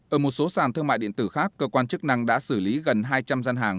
ở một số sàn thương mại điện tử khác cơ quan chức năng đã xử lý gần hai trăm linh gian hàng